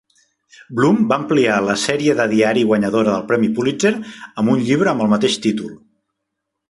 Blum va ampliar la sèrie de diari guanyadora del premi Pulitzer amb un llibre amb el mateix títol.